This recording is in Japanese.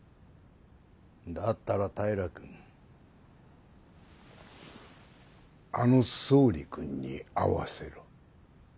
だったら平君あの総理君に会わせろ。